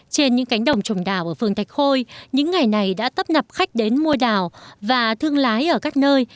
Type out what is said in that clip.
trên những cánh đồng trồng đào ở phường thạch khôi những ngày này đã tấp nập khách đến mua đào và thương lái ở các nơi